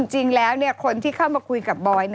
จริงแล้วคนที่เข้ามาคุยกับบอย